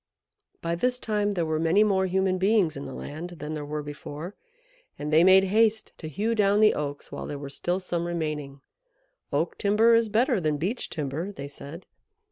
By this time there were many more human beings in the land than there were before, and they made haste to hew down the Oaks while there were still some remaining. "Oak timber is better than Beech timber," they said.